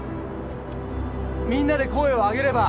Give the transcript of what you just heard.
みんなで声を上げれば。